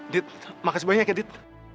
dit makasih banyak ya dit